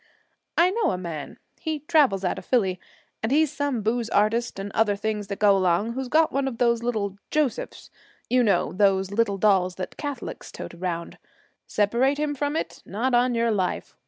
'I know a man, he travels out of Phillie, and he's some booze artist and other things that go along, who's got one of those little "Josephs." You know, those little dolls that Catholics tote around? Separate him from it? Not on your life.